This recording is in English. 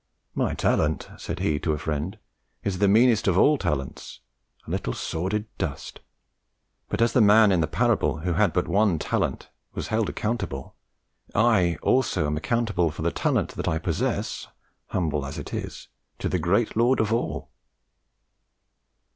"My talent," said he to a friend, "is the meanest of all talents a little sordid dust; but as the man in the parable who had but one talent was held accountable, I also am accountable for the talent that I possess, humble as it is, to the great Lord of all."